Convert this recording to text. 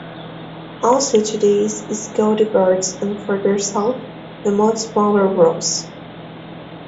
Also to the east is Gaudibert and further south, the much smaller Rosse.